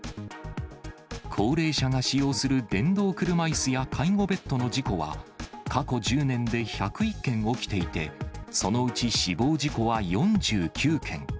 高齢者が使用する電動車いすや介護ベッドの事故は過去１０年で１０１件起きていて、そのうち死亡事故は４９件。